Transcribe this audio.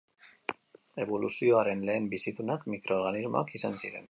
Eboluzioaren lehen bizidunak mikroorganismoak izan ziren.